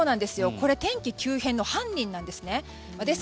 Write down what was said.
これ、天気急変の犯人なんです。